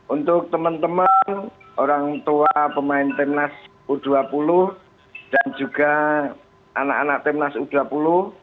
untuk teman teman orang tua pemain timnas u dua puluh dan juga anak anak timnas u dua puluh